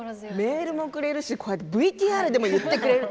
メールもくれるしＶＴＲでも言ってくれる。